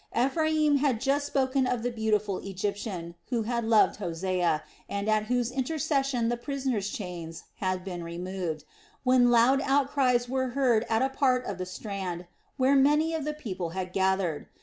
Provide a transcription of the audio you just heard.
Ephraim had just spoken of the beautiful Egyptian, who had loved Hosea and at whose intercession the prisoner's chains had been removed, when loud outcries were heard at a part of the strand where many of the people had gathered.